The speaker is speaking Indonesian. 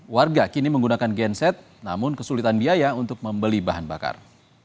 warga kini menggunakan genset namun kesulitan biaya untuk membeli bahan bakar